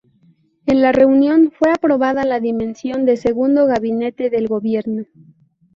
En la reunión fue aprobada la dimisión de segundo gabinete del Gobierno.